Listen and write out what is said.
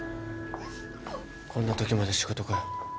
こんなときまで仕事かよ。